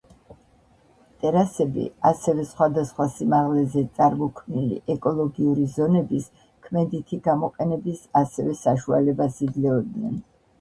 ტერასები ასევე სხვადასხვა სიმაღლეზე წარმოქმნილი ეკოლოგიური ზონების ქმედითი გამოყენების ასევე საშუალებას იძლეოდნენ.